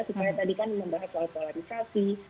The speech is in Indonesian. supaya tadi kan membahas soal polarisasi